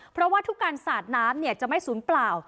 เพราะว่าทุกการสาดน้ำจะไม่สูญเปล่า